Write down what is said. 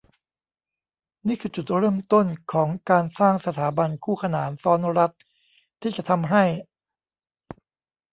นี่คือจุดเริ่มต้นของการสร้างสถาบันคู่ขนานซ้อนรัฐที่จะทำให้